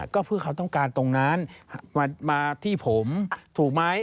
ก็เพื่อเขาต้องการตรงนั้นมาที่ผมถูกไหม